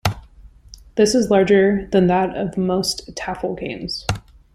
This is larger than that of most "tafl" games.